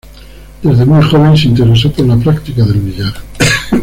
Desde muy joven se interesó por la práctica del billar.